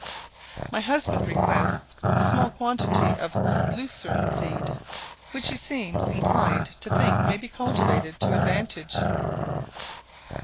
My husband requests a small quantity of lucerne seed, which he seems inclined to think may be cultivated to advantage.